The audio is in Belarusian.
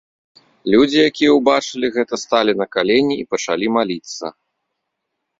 Людзі, якія ўбачылі гэта, сталі на калені і пачалі маліцца.